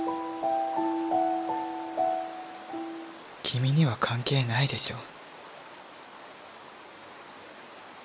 君には関係ないでしょ。